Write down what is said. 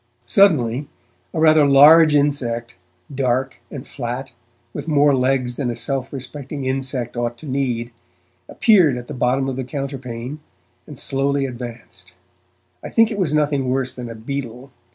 Suddenly a rather large insect dark and flat, with more legs than a self respecting insect ought to need appeared at the bottom of the counterpane, and slowly advanced. I think it was nothing worse than a beetle.